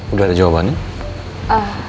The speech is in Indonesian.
udah ada jawabannya